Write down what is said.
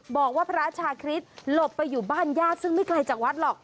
บอกว่าพระชาคริสต์หลบไปอยู่บ้านญาติซึ่งไม่ไกลจากวัดหรอก